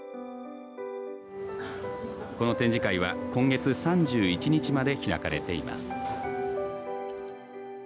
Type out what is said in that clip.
この展示会は今月３１日まで開かれています。